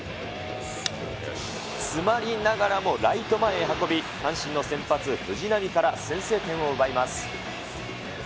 詰まりながらもライト前へ運び、阪神の先発、藤浪から先制点を奪います。